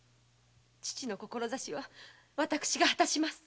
父の志は私が果たします。